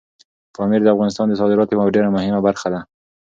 پامیر د افغانستان د صادراتو یوه ډېره مهمه برخه ده.